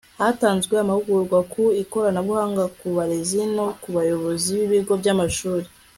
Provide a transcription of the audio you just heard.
hatanzwe amahugurwa ku ikoranabuhanga ku barezi no ku bayobozi b'ibigo by'amashuri